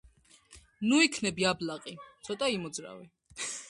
ნუ იქნები აბლაყი, ცოტა იმოძრავე.